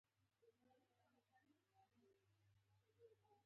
لمسی د ښو خبرو عادت لري.